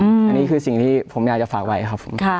อันนี้คือสิ่งที่ผมอยากจะฝากไว้ครับผม